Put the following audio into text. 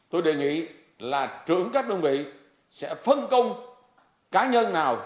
tôi đề nghị là trưởng các đơn vị sẽ phân công cá nhân nào